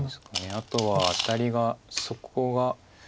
あとはアタリがそこが。